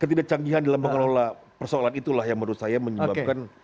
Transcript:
ketidakcanggihan dalam mengelola persoalan itulah yang menurut saya menyebabkan